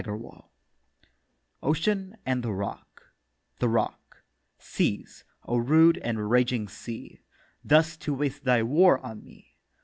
OCEAN AND THE ROCK THE ROCK: 'Cease, O rude and raging Sea, Thus to waste thy war on me.